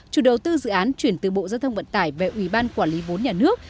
chủ đầu tư dự án chuyển từ bộ giao thông vận tải về ủy ban quản lý vốn nhà nước